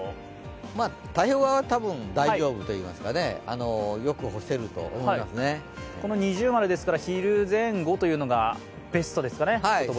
太平洋側は多分大丈夫といいますか◎ですから昼前後がベストですね。